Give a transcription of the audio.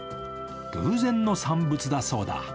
偶然の産物だそうだ。